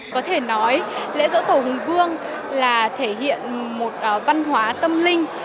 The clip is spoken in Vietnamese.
có thể nói lễ dỗ tổ hùng vương là thể hiện một văn hóa tâm linh